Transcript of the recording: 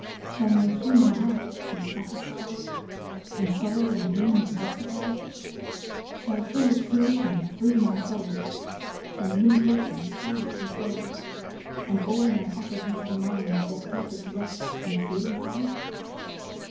Shall my human heart be satisfied, And sorrow and pain be justified? Shall full fruition free my soul From limitation's sad control, And all my faculties of mind Their perfect rest and freedom find?